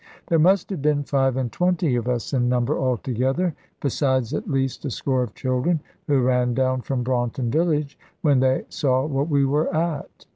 There must have been five and twenty of us in number altogether, besides at least a score of children who ran down from Braunton village, when they saw what we were at.